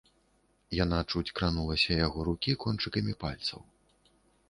Яна чуць кранулася яго рукі кончыкамі пальцаў.